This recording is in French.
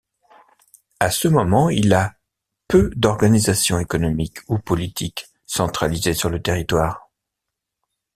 À ce moment, il a peu d'organisation économique ou politique centralisée sur le territoire.